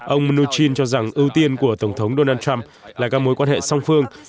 ông mnuchin cho rằng ưu tiên của tổng thống donald trump là các mối quan hệ song phương